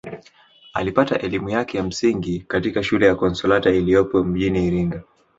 Alipata elimu yake ya msingi katika shule ya Consalata iliyopo mjini Iringa